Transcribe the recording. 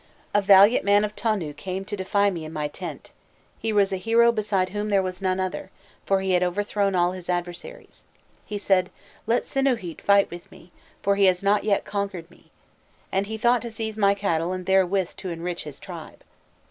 "A valiant man of Tonu came to defy me in my tent; he was a hero beside whom there was none other, for he had overthrown all his adversaries. He said: 'Let Sinûhît fight with me, for he has not yet conquered me!' and he thought to seize my cattle and therewith to enrich his tribe.